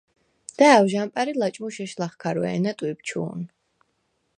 და̄̈ვ ჟ’ა̈მპერ ი ლაჭმუშ ეშ ლახქარვე̄ნა ტვიბჩუ̄ნ.